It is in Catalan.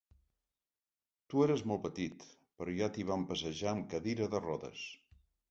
Tu eres molt petit, però ja t'hi vam passejar amb cadira de rodes.